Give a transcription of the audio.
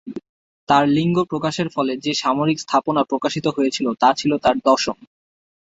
তার লিঙ্গ প্রকাশের ফলে যে সামরিক স্থাপনা প্রকাশিত হয়েছিল তা ছিল তার দশম।